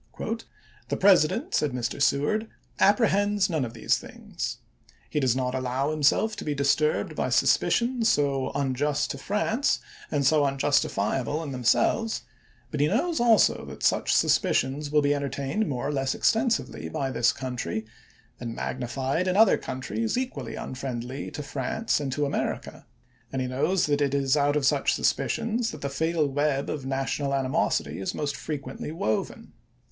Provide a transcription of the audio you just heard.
"The President," said Mr. Seward, "apprehends none of these things. He does not allow himself to be disturbed by suspicions so unjust to France and so unjustifiable in them selves; but he knows, also, that such suspicions will be entertained more or less extensively by this country, and magnified in other countries equally unfriendly to France and to America; and he knows also that it is out of such suspicions that the fatal web of national animosity is most fre quently woven."